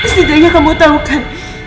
setidaknya kamu tau kan